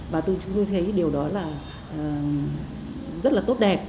và chúng tôi thấy điều đó là rất là tốt đẹp